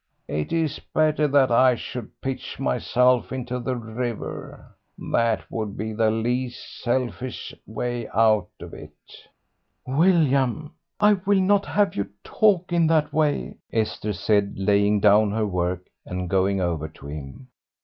It is better that I should pitch myself into the river. That would be the least selfish way out of it." "William, I will not have you talk in that way," Esther said, laying down her work and going over to him.